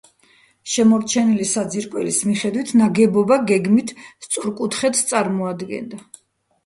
შემორჩენილი საძირკვლის მიხედვით, ნაგებობა გეგმით სწორკუთხედს წარმოადგენდა.